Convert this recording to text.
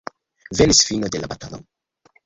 Venis fino de la batalo.